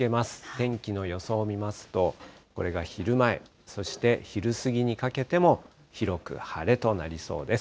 天気の予想を見ますと、これが昼前、そして昼過ぎにかけても、広く晴れとなりそうです。